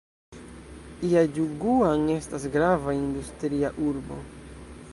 Jiaĝuguan estas grava industria urbo.